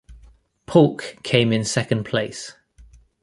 Paulk came in second place.